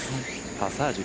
パサージュ